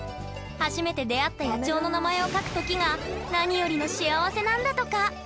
初めて出会った野鳥の名前を書く時が何よりの幸せなんだとか。